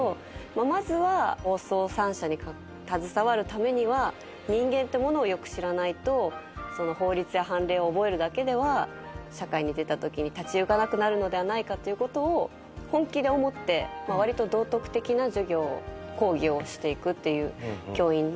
まずは法曹三者に携わるためには人間ってものをよく知らないと法律や判例を覚えるだけでは社会に出たときに立ち行かなくなるのではないかってことを本気で思ってわりと道徳的な授業講義をしていくっていう教員で。